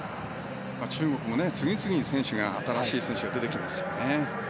中国も次々新しい選手が出てきますね。